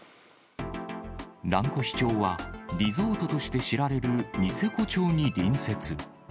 蘭越町は、リゾートとして知られるニセコ町に隣接。